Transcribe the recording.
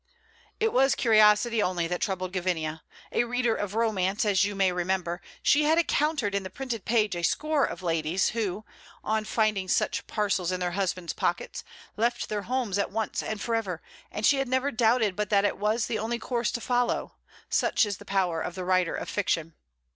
It was curiosity only that troubled Gavinia. A reader of romance, as you may remember, she had encountered in the printed page a score of ladies who, on finding such parcels in their husbands' pockets, left their homes at once and for ever, and she had never doubted but that it was the only course to follow; such is the power of the writer of fiction.